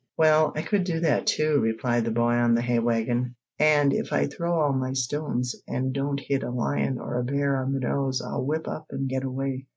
"Well, I could do that, too," replied the boy On the hay wagon. "And if I throw all my stones, and don't hit a lion or a bear on the nose, I'll whip up and get away."